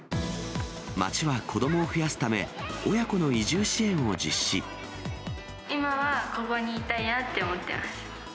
町は子どもを増やすため、今はここにいたいなって思ってます。